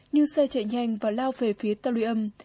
nhưng xe chạy nhanh và lao về phía tăng lươi âm